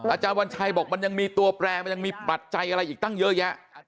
อาจารย์วันชัยบอกมันยังมีตัวแปรมันยังมีปัจจัยอะไรอีกตั้งเยอะแยะ